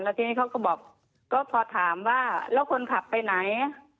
ทีนี้เขาก็บอกก็พอถามว่าแล้วคนขับไปไหน